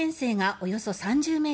およそ３０ｍ